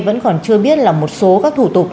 vẫn còn chưa biết là một số các thủ tục